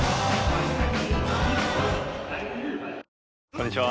こんにちは。